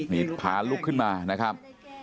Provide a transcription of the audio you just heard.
นี่พาลุกขึ้นมานะครับ